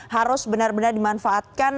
harus benar benar dimanfaatkan